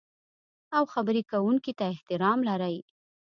او خبرې کوونکي ته احترام لرئ.